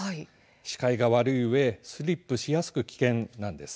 視界が悪いうえスリップしやすく危険なんです。